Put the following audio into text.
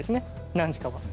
何時かは。